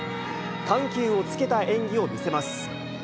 緩急をつけた演技を見せます。